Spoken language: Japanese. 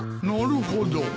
なるほど